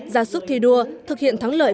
gia sức thi đua thực hiện thắng lợi